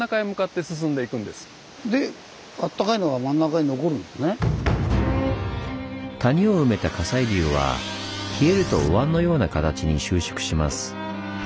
そうすると谷を埋めた火砕流は冷えるとお椀のような形に収縮します。